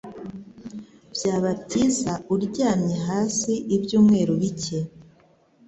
Byaba byiza uryamye hasi ibyumweru bike.